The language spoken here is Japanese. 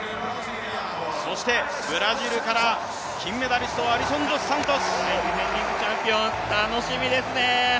そしてブラジルから金メダリスト、アリソン・ドスサントス。ディフェンディングチャンピオン、楽しみですね。